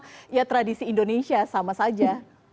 karena ya tradisi indonesia sama saja